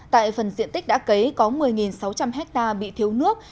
tại phần diện tích đã cấy có một mươi sáu trăm linh ha bị thiếu nước